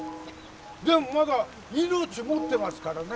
でもまだ命持ってますからね。